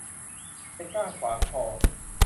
เป็นก้างขวางคอ